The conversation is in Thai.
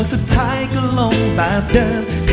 ขอเชิญอาทิตย์สำคัญด้วยค่ะ